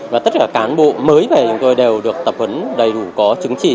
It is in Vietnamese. và tất cả cán bộ mới về đều được tập huấn đầy đủ có chứng chỉ